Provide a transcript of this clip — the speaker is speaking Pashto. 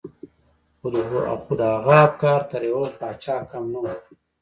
خو د هغه افکار تر يوه پاچا کم نه وو.